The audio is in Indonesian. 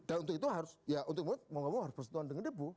dan untuk itu harus ya untuk mau enggak mau harus bersentuhan dengan debu